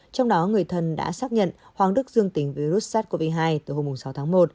trong đó người thân đã xác nhận hoàng đức dương tính với virus sars cov hai từ hôm sáu tháng một